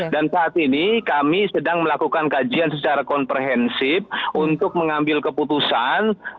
dan saat ini kami sedang melakukan kajian secara komprehensif untuk mengambil keputusan